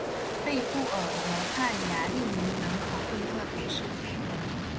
贝布尔河畔雅利尼人口变化图示